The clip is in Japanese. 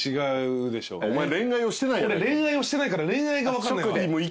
俺恋愛をしてないから恋愛が分かんないわ。